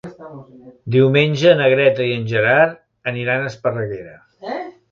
Diumenge na Greta i en Gerard aniran a Esparreguera.